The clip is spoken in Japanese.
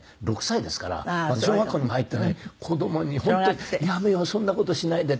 ６歳ですからまだ小学校にも入ってない子供に本当に「やめようそんな事しないで」